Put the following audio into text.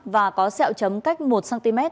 và có xẹo chấm cách một cm